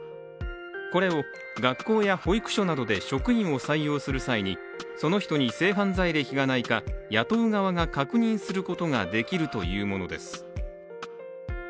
これを学校や保育所などで職員を採用する際にその人に性犯罪歴がないか雇う側が確認することができるというものです